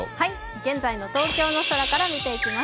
現在の東京の空から見ていきます。